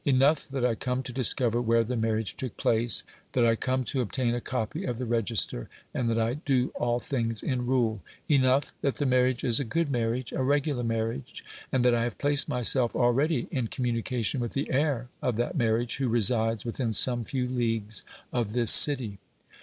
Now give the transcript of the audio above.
Enough that I come to discover where the marriage took place, that I come to obtain a copy of the register, and that I do all things in rule. Enough that the marriage is a good marriage a regular marriage, and that I have placed myself already in communication with the heir of that marriage, who resides within some few leagues of this city.